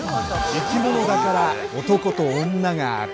生き物だから男と女がある。